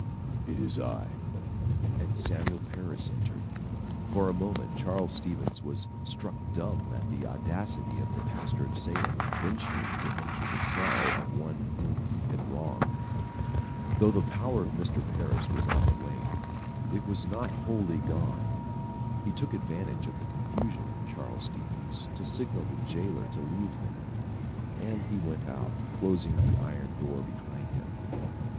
"It is I," and Samuel Parris entered. For a moment, Charles Stevens was struck dumb at the audacity of the pastor of Salem in venturing to enter the cell of one whom he had wronged. Though the power of Mr. Parris was on the wane, it was not wholly gone. He took advantage of the confusion of Charles Stevens to signal the jailer to leave them, and he went out, closing the iron door behind him.